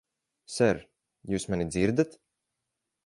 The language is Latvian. Ser, jūs mani dzirdat?